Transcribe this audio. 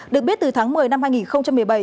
được biết từ tháng một mươi năm hai nghìn một mươi bảy